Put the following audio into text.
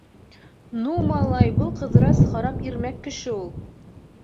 — Ну, малай, был Ҡыҙырас харап ирмәк кеше ул.